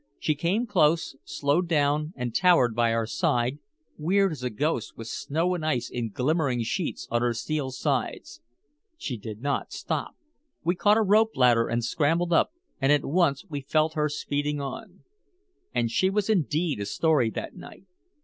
She came close, slowed down and towered by our side, weird as a ghost with snow and ice in glimmering sheets on her steel sides. She did not stop. We caught a rope ladder and scrambled up, and at once we felt her speeding on. And she was indeed a story that night.